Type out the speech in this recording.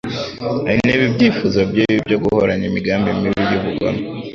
Aha intebe ibyifuzo bye bibi byo guhorana imigambi mibi y'ubugome,